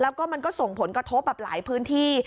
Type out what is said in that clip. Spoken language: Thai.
แล้วก็มันก็ส่งผลกระทบกับหลายพื้นที่